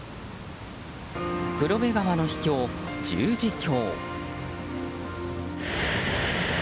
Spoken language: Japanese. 黒部川の秘境、十字峡。